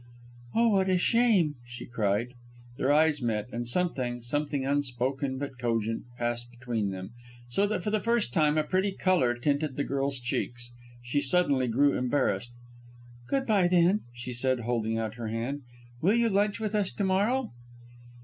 "Oh, what a shame!" she cried. Their eyes met, and something something unspoken but cogent passed between them; so that for the first time a pretty colour tinted the girl's cheeks. She suddenly grew embarrassed. "Good bye, then," she said, holding out her hand. "Will you lunch with us to morrow?"